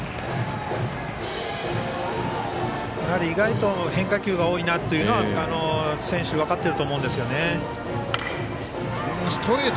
意外と変化球が多いなというのは選手、分かっていると思うんですよね。